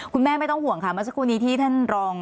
คุณแม่ไม่ต้องห่วงนึงมาสักครู่นี้ที่ท่านรอง